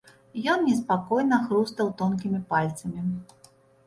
Ён неспакойна хрустаў тонкімі пальцамі.